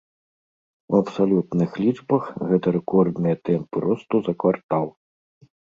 У абсалютных лічбах гэта рэкордныя тэмпы росту за квартал.